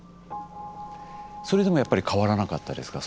それでもやっぱり変わらなかったですか？